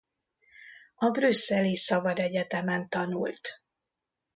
A brüsszeli szabad egyetemen tanult.